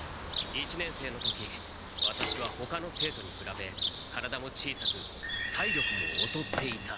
一年生の時ワタシはほかの生徒にくらべ体も小さく体力もおとっていた。